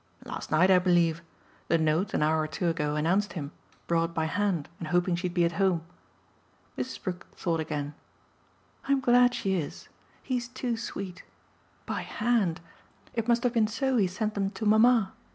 "Last night, I believe. The note, an hour or two ago, announced him brought by hand and hoping she'd be at home." Mrs. Brook thought again. "I'm glad she is. He's too sweet. By hand! it must have been so he sent them to mamma.